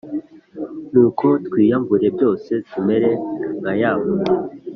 nuko twiyambure byose.tumere nka ya mpumyi,